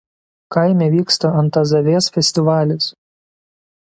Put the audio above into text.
Kaime vyksta Antazavės festivalis.